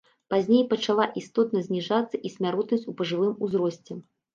Пазней пачала істотна зніжацца і смяротнасць у пажылым узросце.